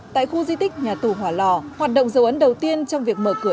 tại khu di tích nhà tù hỏa lò hoạt động dầu ấn đầu tiên trong việc mở cửa trở lại